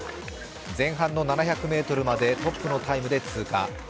前半の７００ｍまでトップのタイムで通過。